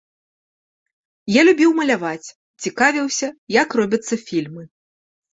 Я любіў маляваць, цікавіўся, як робяцца фільмы.